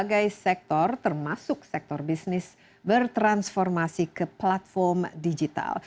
sebagai sektor termasuk sektor bisnis bertransformasi ke platform digital